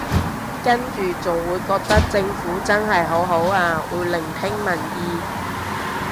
跟住仲會覺得政府真係好好啊會聆聽民意